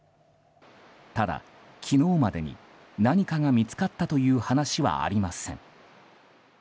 ただ、昨日までに何かが見つかったという話はありません。